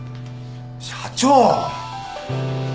社長。